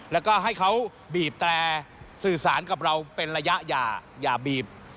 แล้วก็ให้เขาบีบแตรสื่อสารกับเราเป็นระยะอย่าอย่าบีบ